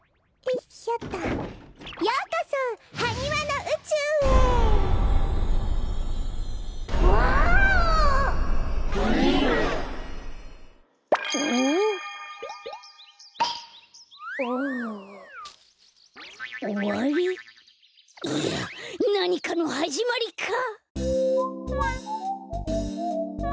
いやなにかのはじまりか！？